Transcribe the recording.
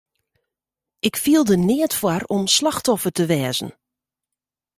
Ik fiel der neat foar om slachtoffer te wêze.